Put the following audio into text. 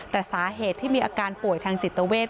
แต่สาเหตุที่มีอาการป่วยทางจิตเวท